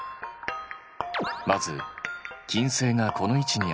まず金星がこの位置にあるとき。